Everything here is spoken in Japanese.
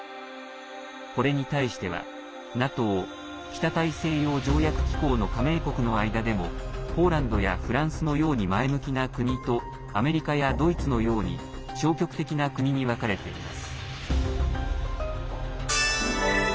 これに対してはＮＡＴＯ＝北大西洋条約機構の加盟国の間でもポーランドやフランスのように前向きな国とアメリカやドイツのように消極的な国に分かれています。